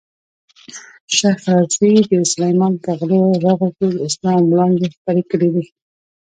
شېخ رضي د سلېمان په غرو رغو کښي د اسلام وړانګي خپرې کړي دي.